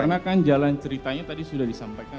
karena kan jalan ceritanya tadi sudah disampaikan